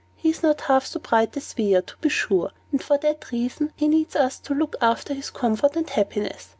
He is not half so bright as we are, to be sure; and, for that reason, he needs us to look after his comfort and happiness.